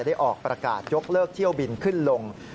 ออกประกาศยกเลิกเที่ยวบินขึ้นลง